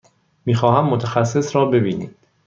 می خواهم متخصص را ببینید.